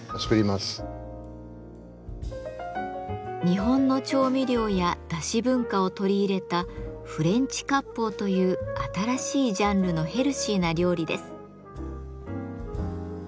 日本の調味料やだし文化を取り入れた「フレンチ割烹」という新しいジャンルのヘルシーな料理です。